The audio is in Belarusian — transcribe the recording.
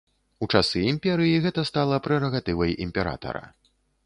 У часы імперыі гэта стала прэрагатывай імператара.